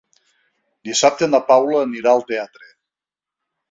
Dissabte na Paula anirà al teatre.